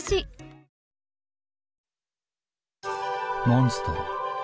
モンストロ。